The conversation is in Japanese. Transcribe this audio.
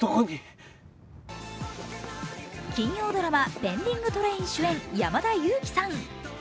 金曜ドラマ「ペンディングトレイン」主演、山田裕貴さん。